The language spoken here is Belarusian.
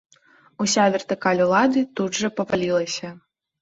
Уся вертыкаль улады тут жа павалілася.